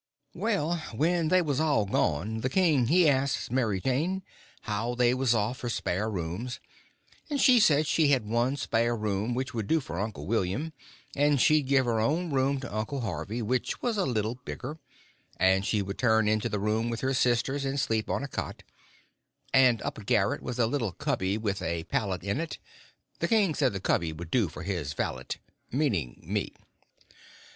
Well, when they was all gone the king he asks Mary Jane how they was off for spare rooms, and she said she had one spare room, which would do for Uncle William, and she'd give her own room to Uncle Harvey, which was a little bigger, and she would turn into the room with her sisters and sleep on a cot; and up garret was a little cubby, with a pallet in it. The king said the cubby would do for his valley—meaning me.